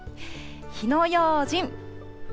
火の用心。